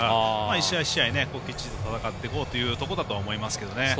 １試合１試合きっちりと戦っていこうというところだと思いますけどね。